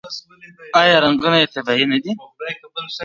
آیا رنګونه یې طبیعي نه دي؟